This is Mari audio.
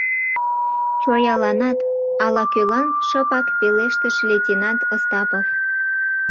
«Чояланат!» — ала-кӧлан шыпак пелештыш лейтенант Остапов.